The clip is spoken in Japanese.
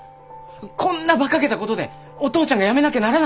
こんなバカげたことでお父ちゃんが辞めなきゃならないなんて！